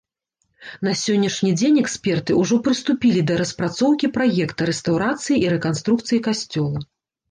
На сённяшні дзень эксперты ўжо прыступілі да распрацоўкі праекта рэстаўрацыі і рэканструкцыі касцёла.